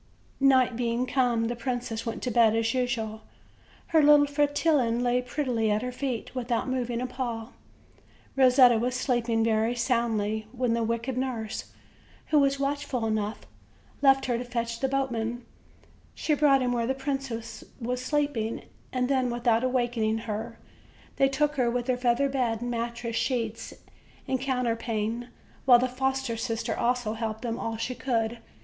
Night being come, the princess went to bed as usual; her little Fretillon lay prettily at her feet, without mov ing a paw. Kosetta was sleeping very soundly, when the wicked nurse, who was watchful enough, left her to fetch the boatman. She brought him where the princess was sleeping; and then, without awakening her, they took her with her feather bed, mattress, sheets and coun terpane, while the foster sister also helped them all she could.